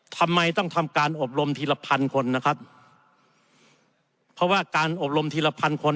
ทำไมต้องทำการอบรมทีละพันคนนะครับเพราะว่าการอบรมทีละพันคน